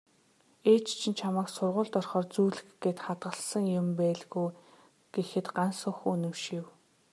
"Ээж чинь чамайг сургуульд орохоор зүүлгэх гээд хадгалсан юм байлгүй" гэхэд Гансүх үнэмшив.